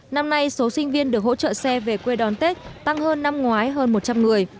năm nay số sinh viên được hỗ trợ xe về quê đón tết tăng hơn năm ngoái hơn một trăm linh người